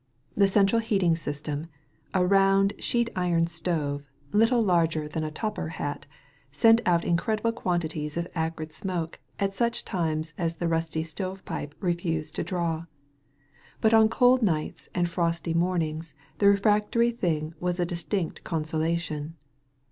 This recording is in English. The central heating system — a, round sheet iron stove, little larger than a "topper" hat — sent out incredible quantities of acrid smoke at such times as the rusty stovepipe refused to draw. But on cold nights and frosty mornings the refractory thing was a distinct consolation.